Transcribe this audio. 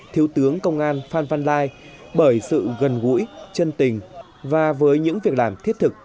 thiếu tướng công an phan văn lai bởi sự gần gũi chân tình và với những việc làm thiết thực